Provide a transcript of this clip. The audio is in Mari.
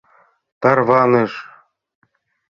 Тарваныш.